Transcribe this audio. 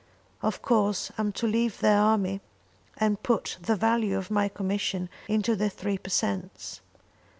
Of course I'm to leave the army and put the value of my commission into the three per cents.